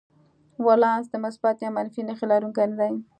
ولانس د مثبت یا منفي نښې لرونکی نه دی.